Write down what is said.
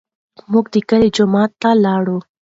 موږ د کلي جومات ته لاړو.